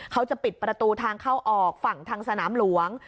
เขาจะปิดประตูทางเข้าออกฝั่งทางสนามหลวง